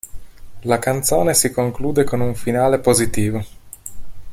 La canzone si conclude con un finale positivo.